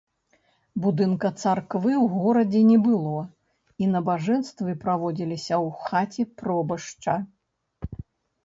Будынка царквы ў горадзе не было і набажэнствы праводзіліся ў хаце пробашча.